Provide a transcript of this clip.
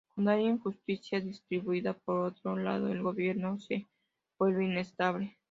Cuando hay injusticia distributiva, por otro lado, el gobierno se vuelve inestable.